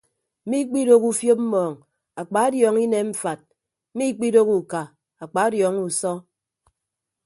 Miikpidooho ufiop mmọọñ akpadiọọñọ inem mfat miikpidooho uka akpadiọọñọ usọ.